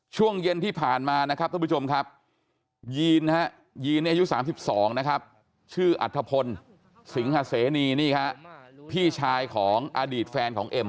ช่วงเย็นที่ผ่านมานะครับท่านผู้ชมครับยีนยีนอายุ๓๒นะครับชื่ออัฐพลสิงหาเสนีนี่ฮะพี่ชายของอดีตแฟนของเอ็ม